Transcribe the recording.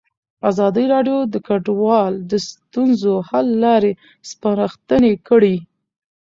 ازادي راډیو د کډوال د ستونزو حل لارې سپارښتنې کړي.